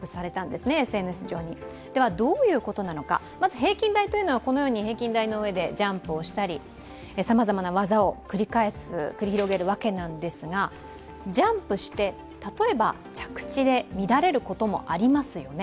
平均台というのは、このように平均台の上でジャンプをしたり、さまざまな技を繰り広げるわけなんですが、ジャンプして、例えば着地で乱れることもありますよね。